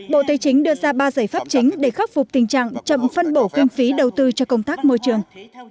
bộ tây chính đưa ra ba giải pháp chính để khắc phục tình trạng chậm phân bổ kinh phí đầu tư cho công tác môi trường